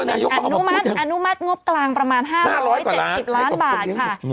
อนุมัติงบกลางประมาณ๕๗๐ล้านบาทค่ะ